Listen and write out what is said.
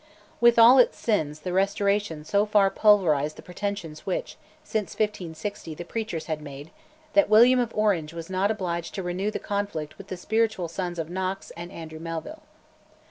With all its sins, the Restoration so far pulverised the pretensions which, since 1560, the preachers had made, that William of Orange was not obliged to renew the conflict with the spiritual sons of Knox and Andrew Melville.